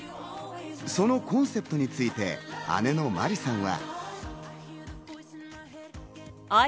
そのコンセプトについて姉のまりさんは。